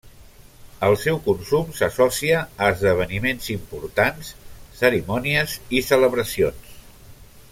El seu consum s'associa a esdeveniments importants, cerimònies i celebracions.